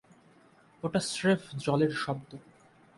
ওটা স্রেফ জলের শব্দ।